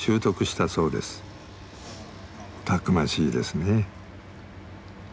たくましいですね。